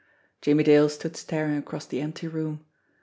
Jimmie Dale stood staring across the empty room.